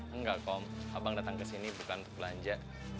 enggak kom abang datang kesini bukan untuk belanja